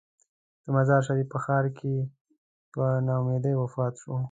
د مزار شریف په ښار کې په نا امیدۍ وفات شو.